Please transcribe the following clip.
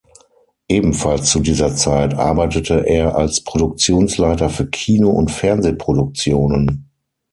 Ebenfalls zu dieser Zeit arbeitete er als Produktionsleiter für Kino- und Fernsehproduktionen.